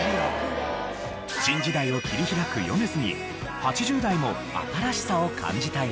新時代を切り開く米津に８０代も新しさを感じたようです。